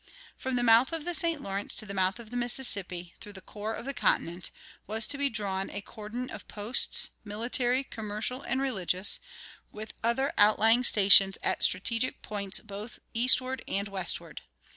From the mouth of the St. Lawrence to the mouth of the Mississippi, through the core of the continent, was to be drawn a cordon of posts, military, commercial, and religious, with other outlying stations at strategic points both eastward and westward.